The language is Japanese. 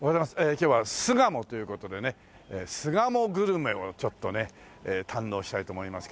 今日は巣鴨という事でね巣鴨グルメをちょっとね堪能したいと思いますけど。